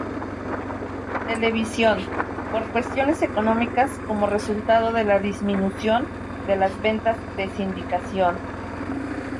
Television, por "cuestiones económicas" como resultado de la disminución de las ventas de sindicación.